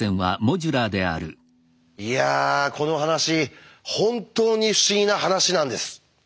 いやこの話本当に不思議な話なんです。